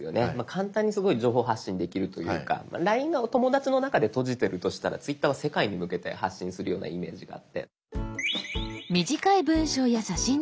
簡単に情報発信できるというか「ＬＩＮＥ」がお友だちの中で閉じてるとしたら「Ｔｗｉｔｔｅｒ」は世界に向けて発信するようなイメージがあって。